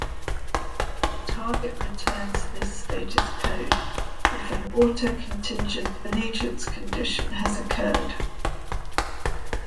The target returns this status code if an auto-contingent allegiance condition has occurred.